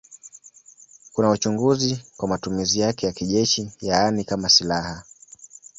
Kuna uchunguzi kwa matumizi yake ya kijeshi, yaani kama silaha.